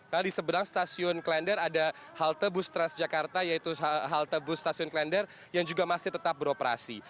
karena di seberang stasiun klender ada halte bus transjakarta yaitu halte bus stasiun klender yang juga masih tetap beroperasi